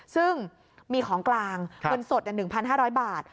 ซึ่งมีของกลางเป็นสดอย่าง๑๕๐๐บาท